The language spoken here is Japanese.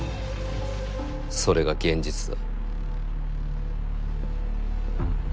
それが現実だ。